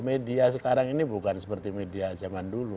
media sekarang ini bukan seperti media zaman dulu